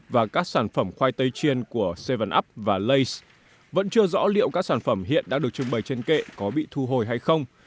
và các sản phẩm khoai tây chiên của bảy up và lays vẫn chưa rõ liệu các sản phẩm hiện đã được trưng bày trên kệ có bị thu hồi hay không